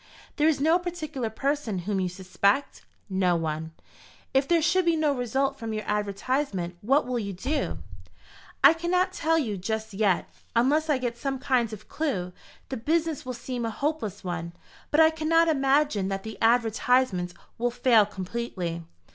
"There is no particular person whom you suspect?" "No one." "If there should be no result from your advertisement, what will you do?" "I cannot tell you just yet. Unless I get some kind of clue, the business will seem a hopeless one. But I cannot imagine that the advertisements will fail completely.